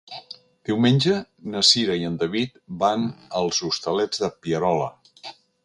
Diumenge na Cira i en David van als Hostalets de Pierola.